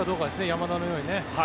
山田のようにね。